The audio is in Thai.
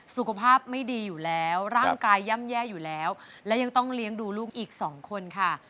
สุขภาพไม่ดีอยู่แล้วร่างกายย่ำแย่อยู่แล้วและยังต้องเลี้ยงดูลูกอีก๒คนค่ะ